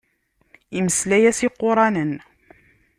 Imeslay-as iquṛanen.